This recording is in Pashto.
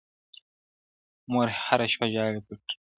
مور هره شپه ژاړي پټه تل,